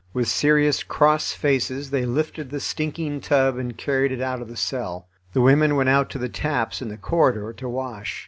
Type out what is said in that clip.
With serious, cross faces they lifted the stinking tub and carried it out of the cell. The women went out to the taps in the corridor to wash.